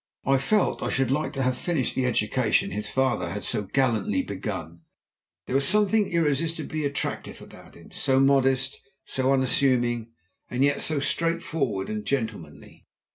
I felt I should like to have finished the education his father had so gallantly begun. There was something irresistibly attractive about him, so modest, so unassuming, and yet so straightforward and gentlemanly.